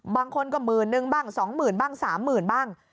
บางคนก็หมื่นนึงบ้างสองหมื่นบ้างสามหมื่นบ้าง